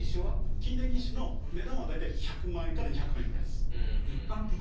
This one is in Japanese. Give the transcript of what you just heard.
筋電義手の値段は大体１００万円から２００万円ぐらいです。